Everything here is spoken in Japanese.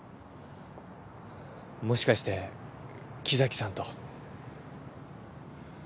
もしかして木崎さんと？